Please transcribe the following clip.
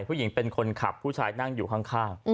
ผู้หญิงเป็นคนขับผู้ชายนั่งอยู่ข้าง